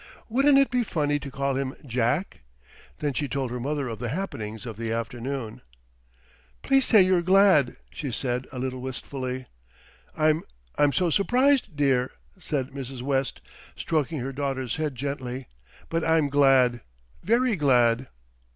"Wouldn't it be funny to call him Jack?" Then she told her mother of the happenings of the afternoon. "Please say you're glad," she said a little wistfully. "I'm I'm so surprised, dear," said Mrs. West, stroking her daughter's head gently; "but I'm glad, very glad."